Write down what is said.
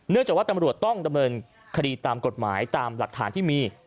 จากว่าตำรวจต้องดำเนินคดีตามกฎหมายตามหลักฐานที่มี